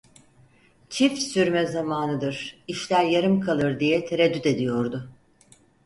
Çift sürme zamanıdır, işler yarım kalır diye tereddüt ediyordu.